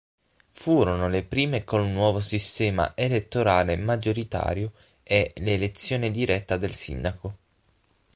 Furono le prime col nuovo sistema elettorale maggioritario e l’elezione diretta del sindaco.